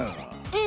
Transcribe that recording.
え？